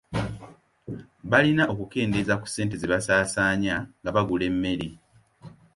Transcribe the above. Balina okukendeeza ku ssente ze basaasaanya nga bagula emmere.